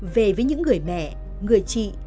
về với những người mẹ người chị